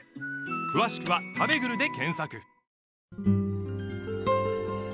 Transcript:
詳しくは「たべぐる」で検索